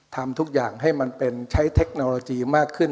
ทำทุกอย่างให้มันเป็นใช้เทคโนโลยีมากขึ้น